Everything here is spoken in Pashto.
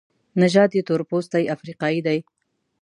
نژاد یې تورپوستی افریقایی دی.